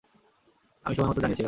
আমি সময়মতো জানিয়েছিলাম।